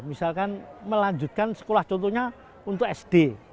misalkan melanjutkan sekolah contohnya untuk sd